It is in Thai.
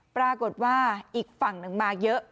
ปรากฏว่าอีกฝั่งหนึ่งมาเยอะ